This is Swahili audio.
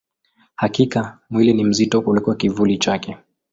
Hakika, mwili ni mzito kuliko kivuli chake.